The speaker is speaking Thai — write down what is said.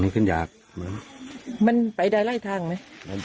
กี่ทางล่ะ